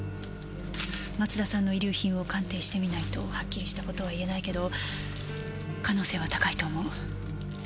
松田さんの遺留品を鑑定してみないとはっきりした事は言えないけど可能性は高いと思う。